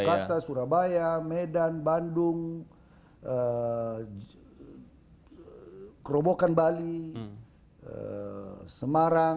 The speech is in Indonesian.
jakarta surabaya medan bandung kerobokan bali semarang